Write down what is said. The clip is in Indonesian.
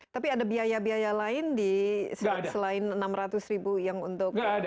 tapi ada biaya biaya lain selain enam ratus ribu yang untuk